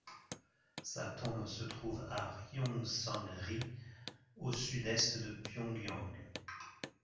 Sa tombe se trouve à Ryongsan-ri, à au sud-est de Pyongyang.